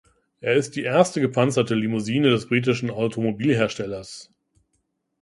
Er ist die erste gepanzerte Limousine des britischen Automobilherstellers.